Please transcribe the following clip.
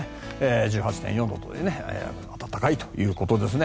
１８．４度と暖かいということですね。